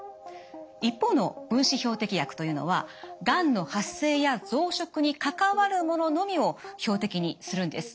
一方の分子標的薬というのはがんの発生や増殖に関わるもののみを標的にするんです。